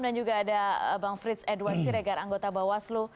dan juga ada bang frits edwansi regar anggota bawaslu